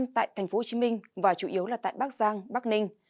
một trăm linh tại tp hcm và chủ yếu là tại bắc giang bắc ninh